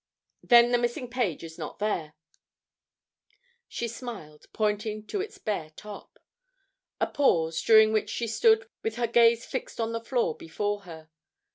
"Then the missing page is not there," she smiled, pointing to its bare top. A pause, during which she stood with her gaze fixed on the floor before her.